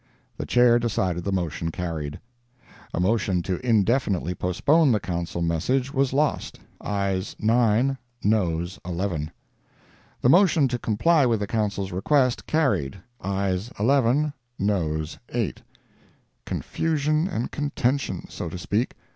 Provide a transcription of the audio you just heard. The Chair decided the motion carried. A motion to indefinitely postpone the Council message was lost—ayes 9, noes 1l. The motion to comply with the Council's request, carried—ayes 11, noes 8. [Confusion and contention—so to speak.